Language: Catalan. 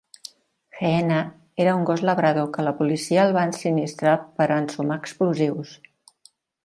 Heena era un gos labrador que la policia el va ensinistrar per a ensumar explosius.